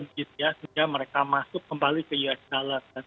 jadi mereka masuk kembali ke us dollar